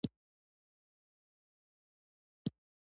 هندوانه د خوږ خوند لرونکې ده.